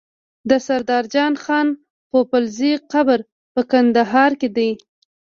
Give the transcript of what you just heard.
د سردار جان خان پوپلزی قبر په کندهار کی دی